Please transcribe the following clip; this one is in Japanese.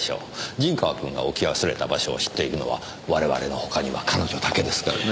陣川君が置き忘れた場所を知っているのは我々の他には彼女だけですからね。